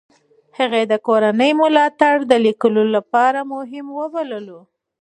هغې د کورنۍ ملاتړ د لیکلو لپاره مهم وبللو.